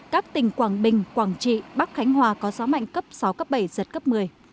các tỉnh quảng bình quảng trị bắc khánh hòa có gió mạnh cấp sáu cấp bảy giật cấp một mươi